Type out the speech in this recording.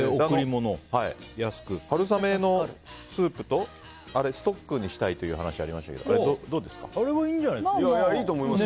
春雨のスープをストックにしたいという話がありましたがあれはいいんじゃないですか？